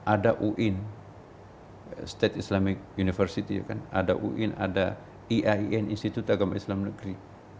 ada uin state islamic university ada uin ada iain institut agama islam negeri